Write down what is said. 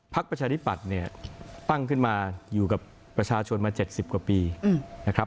ประชาธิปัตย์เนี่ยตั้งขึ้นมาอยู่กับประชาชนมา๗๐กว่าปีนะครับ